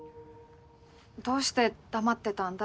どうして黙ってたんだ？